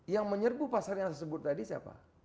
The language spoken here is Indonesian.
yang menyerbu pasar yang saya sebut tadi siapa